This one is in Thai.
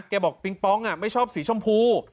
บอกปิงปองไม่ชอบสีชมพู